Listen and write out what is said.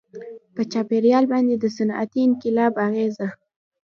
• په چاپېریال باندې د صنعتي انقلاب اغېزه.